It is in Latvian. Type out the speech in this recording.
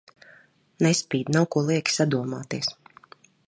Nespīd, nav ko lieki sadomāties.